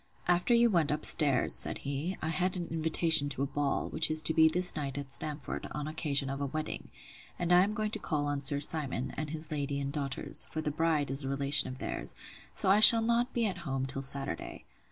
After you went up stairs, said he, I had an invitation to a ball, which is to be this night at Stamford, on occasion of a wedding; and I am going to call on Sir Simon, and his lady and daughters; for the bride is a relation of theirs: so I shall not be at home till Saturday.